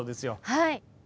はい。